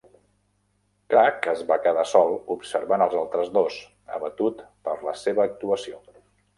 Cragg es va quedar sol observant els altres dos, abatut per la seva actuació.